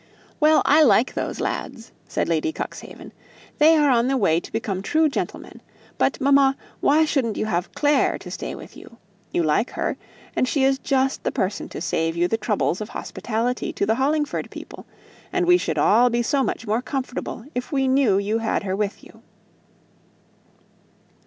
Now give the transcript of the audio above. "Well, I like those lads," said Lady Cuxhaven; "they are on the way to become true gentlemen. But, mamma, why shouldn't you have Clare to stay with you? You like her, and she is just the person to save you the troubles of hospitality to the Hollingford people, and we should all be so much more comfortable if we knew you had her with you."